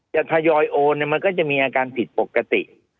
ทยอยโอนมันก็จะมีอาการผิดปกติ